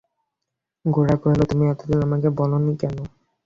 গোরা কহিল, তুমি এতদিন আমাকে বল নি কেন?